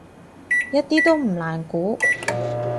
一啲都唔難估